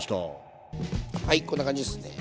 はいこんな感じですね。